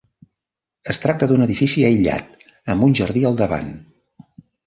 Es tracta d'un edifici aïllat amb un jardí al davant.